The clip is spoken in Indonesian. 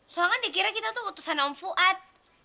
soalnya kan dia kira kita tuh utusan om fuad